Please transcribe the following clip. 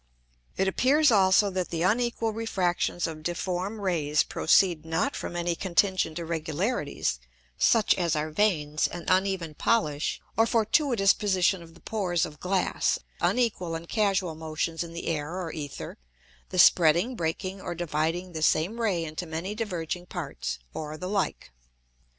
It appears also that the unequal Refractions of difform Rays proceed not from any contingent irregularities; such as are Veins, an uneven Polish, or fortuitous Position of the Pores of Glass; unequal and casual Motions in the Air or Æther, the spreading, breaking, or dividing the same Ray into many diverging parts; or the like.